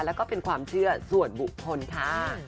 แล้วก็เป็นความเชื่อส่วนบุคคลค่ะ